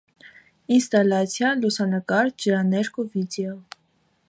Ինստալացիա, լուսանկար, ջրաներկ ու վիդեո։